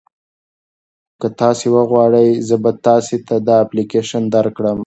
که تاسي وغواړئ زه به تاسي ته دا اپلیکیشن درکړم.